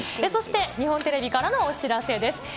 そして、日本テレビからのお知らせです。